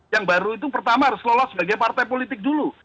yang baru itu pertama harus lolos sebagai partai politik dulu